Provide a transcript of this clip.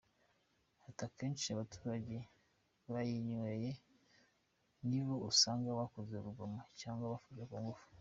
Ati “Akenshi abaturage bayinyweye ni bo usanga bakoze urugomo cyangwa bafashe kungufu.